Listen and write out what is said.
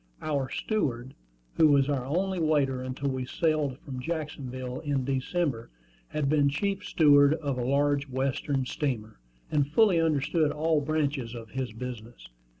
Our steward, who was our only waiter until we sailed from Jacksonville in December, had been chief steward of a large Western steamer, and fully understood all branches of his business.